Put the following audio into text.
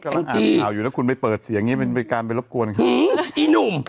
กำลังอ่านข่าวอยู่แล้วคุณไปเปิดเสียงอย่างงี้มันเป็นการไปรบกวนเขาอีหนุ่ม